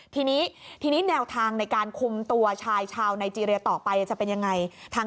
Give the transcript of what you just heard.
ทีนี้ทีนี้แนวทางในการคุมตัวชายชาวไนเจรียต่อไปจะเป็นยังไง